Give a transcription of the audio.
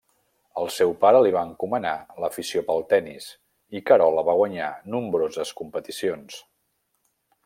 El seu pare li va encomanar l'afició pel tenis i Carola va guanyar nombroses competicions.